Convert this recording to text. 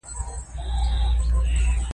بومراه د هند د غوره بالرانو څخه دئ.